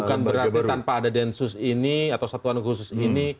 bukan berarti tanpa ada densus ini atau satuan khusus ini